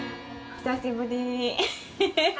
「久しぶり！」。